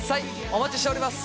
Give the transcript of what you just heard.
お待ちしております。